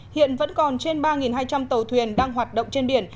hiện vẫn còn trên ba hai trăm linh tàu thuyền đang hoạt động trên biển